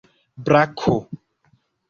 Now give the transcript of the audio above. brako